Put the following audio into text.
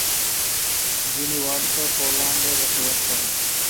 যিনি Warsaw, Poland এ বসবাস করেন।